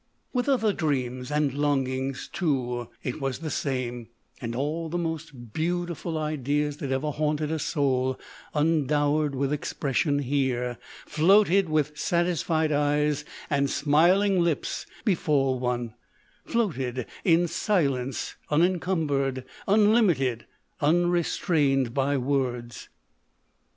With other dreams and longings, too, it was the same; and all the most beautiful ideas that ever haunted a soul undowered with expression here floated with satisfied eyes and smiling lips before one â floated in silence, unencumbered, unlimited, unrestrained by words.